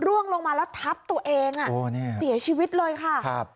ร่วงลงมาแล้วทับตัวเองอ่ะโอ้เนี้ยเสียชีวิตเลยค่ะครับ